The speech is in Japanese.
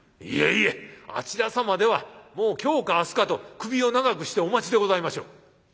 「いえいえあちら様ではもう今日か明日かと首を長くしてお待ちでございましょう」。